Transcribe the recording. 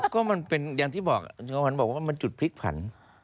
ก็มันเป็นอย่างที่บอกคุณจอมขวัญบอกว่ามันจุดพลิกผัน